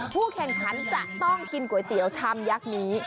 แข่งขันจะต้องกินก๋วยเตี๋ยวชามยักษ์นี้